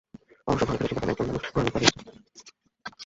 অবশেষে ঘরে ফিরে এসে দেখেন একজন মানুষ ঘরের মধ্যে দাঁড়িয়ে আছে।